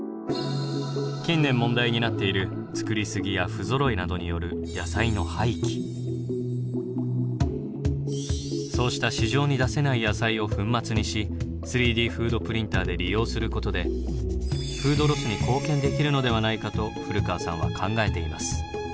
近年問題になっている作り過ぎや不ぞろいなどによるそうした市場に出せない野菜を粉末にし３Ｄフードプリンターで利用することでフードロスに貢献できるのではないかと古川さんは考えています。